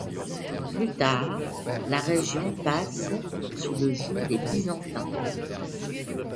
Plus tard, la région passe sous le joug des Byzantins.